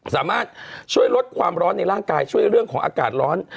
สามารถช่วยลดความร้อนในร่างกายช่วยเรื่องของอากาศร้อน